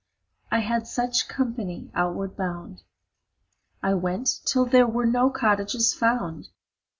I had such company outward bound. I went till there were no cottages found.